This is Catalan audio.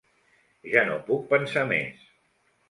Ja no puc pensar més.